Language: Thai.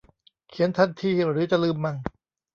เขียนทันทีหรือจะลืมมัน